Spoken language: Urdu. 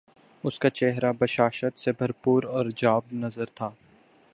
اس کا چہرہ بشاشت سے بھر پور اور جاب نظر تھا